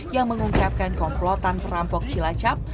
yang mengungkapkan komplotan perampok cilacap